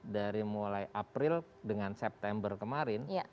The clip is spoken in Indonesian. dari mulai april dengan september kemarin